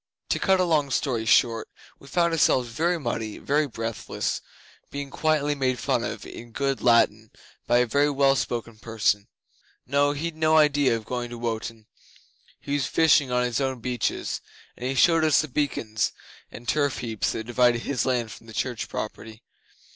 To cut a long story short, we found ourselves very muddy, very breathless, being quietly made fun of in good Latin by a very well spoken person. No he'd no idea of going to Wotan. He was fishing on his own beaches, and he showed us the beacons and turf heaps that divided his land from the church property.